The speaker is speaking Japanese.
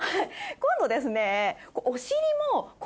今度ですね。